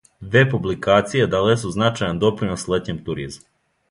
Две публикације дале су значајан допринос летњем туризму.